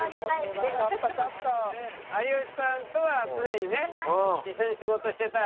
有吉さんとは常にね一緒に仕事してたい？